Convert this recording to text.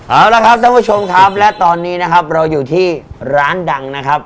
เอาละครับท่านผู้ชมครับและตอนนี้นะครับเราอยู่ที่ร้านดังนะครับ